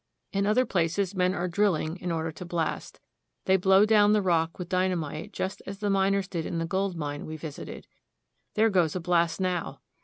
In other places men are drilling in order to blast. They blow down the rock with dynamite just as the miners did in the gold mine we visited. There goes a blast now.